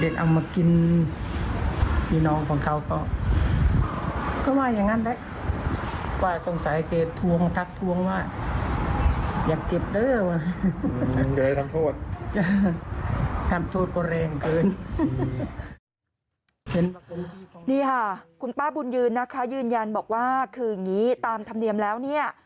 นี่ค่ะคุณป้าบุญยืนนะคะยืนยันบอกว่าคืออย่างนี้ตามธรรมเนียมแล้วเนี่ย